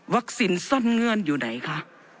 สินซ่อนเงื่อนอยู่ไหนคะ